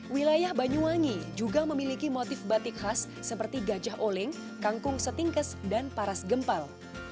wilayah banyuwangi juga memiliki motif batik khas seperti gajah oling kangkung setingkes dan paras gempal